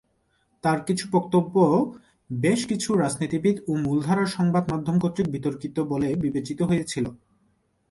তার কিছু বক্তব্য বেশ কিছু রাজনীতিবিদ এবং মূলধারার সংবাদ-মাধ্যম কর্তৃক বিতর্কিত বলে বিবেচিত হয়েছিল।